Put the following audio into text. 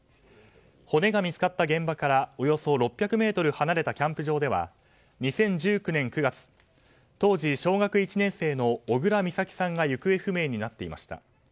骨が見つかった現場からおよそ６００ｍ離れたキャンプ場では２０１９年９月当時小学１年生の小倉美咲さんが行方不明になっていました。